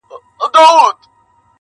ازغے به شې د سترګو خو هېڅ ونکړې پروا